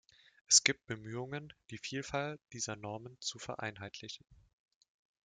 Es gibt Bemühungen, die Vielfalt dieser Normen zu vereinheitlichen.